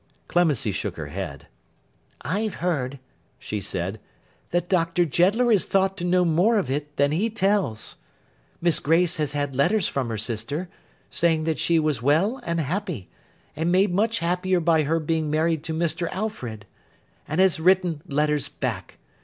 Clemency shook her head. 'I've heard,' she said, 'that Doctor Jeddler is thought to know more of it than he tells. Miss Grace has had letters from her sister, saying that she was well and happy, and made much happier by her being married to Mr. Alfred: and has written letters back.